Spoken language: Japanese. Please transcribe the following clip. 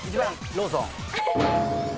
ローソン。